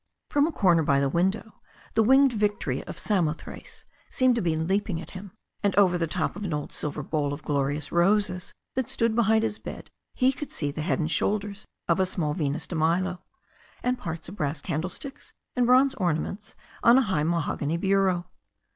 From a comer by the window "The Winged Victory" of Samothrace seemed to be leaping at him, and over the top of an old silver bowl of glorious roses that stood beside his bed he could see the head and shoulders of a small "Venus de Milo" and parts of brass candlesticks and bronze orna ments on a high mahogany bureau.